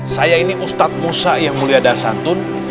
saya ini ustad musa yang mulia dasantun